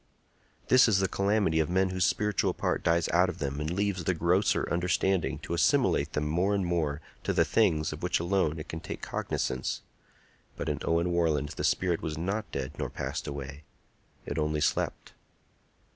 This is the calamity of men whose spiritual part dies out of them and leaves the grosser understanding to assimilate them more and more to the things of which alone it can take cognizance; but in Owen Warland the spirit was not dead nor passed away; it only slept.